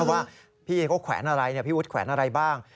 ว่าพี่เขาแขวนอะไรพี่วุฒิแขวนอะไรบ้าง